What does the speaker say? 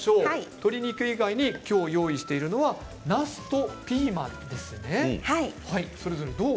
鶏肉以外に用意しているのはなすとピーマンですね。